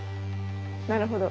なるほど。